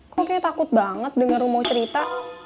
kok kayaknya takut banget denger lo mau cerita